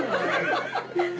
ハハハ！